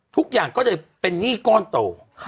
ทุกอย่างก็เลยเป็นหนี้ก้อนโต